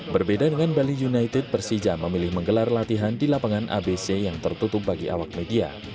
berbeda dengan bali united persija memilih menggelar latihan di lapangan abc yang tertutup bagi awak media